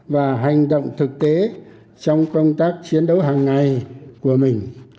và hành động thực tế trong công tác chiến đấu hàng ngày của mình